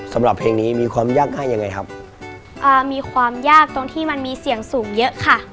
สำหรับเพลงนี้มีความยากง่ายยังไงครับอ่ามีความยากตรงที่มันมีเสียงสูงเยอะค่ะ